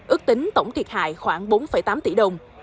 ước tính tổng thiệt hại khoảng bốn tám tỷ đồng